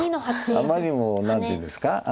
あまりにも何ていうんですか。